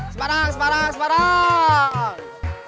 semarang semarang semarang